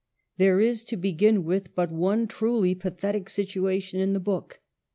There is, to begin with, but one truly pathetic situation in the book.